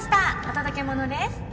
お届け物です。